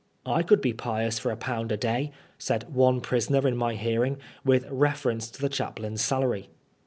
'^/ could be pious for a pound a day," said one prisoner in my hearing, with reference to the chaplain's salary.